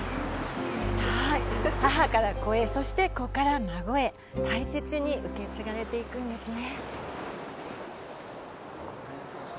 母から子へ、そして子から孫へ、大切に受け継がれていくんですね。